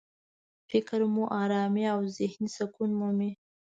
فکر مو ارامي او ذهني سکون مومي.